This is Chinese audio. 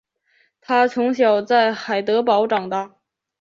他从小在海德堡长大。